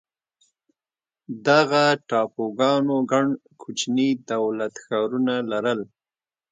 دغه ټاپوګانو ګڼ کوچني دولت ښارونه لرل.